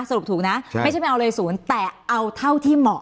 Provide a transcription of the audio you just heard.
สรุปถูกนะไม่ใช่ไม่เอาเลย๐แต่เอาเท่าที่เหมาะ